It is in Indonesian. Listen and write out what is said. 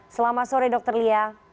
selamat sore dr lia